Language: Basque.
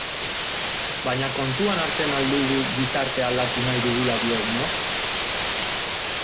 Baina kontuan hartzen al dugu gizartea aldatu nahi dugula diogunok?